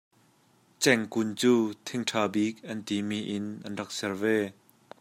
Cengkun cu thing ṭha bik an ti mi in an rak ser ve.